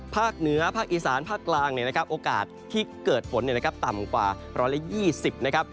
ภาคเหนือภาคอีสานภาคกลางเนี่ยนะครับโอกาสที่เกิดฝนต่ำกว่า๑๒๐นะครับ